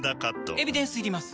エビデンスいります？